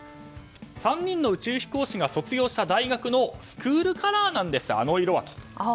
３人の宇宙飛行士が卒業した大学のスクールカラーなんですあの色はと。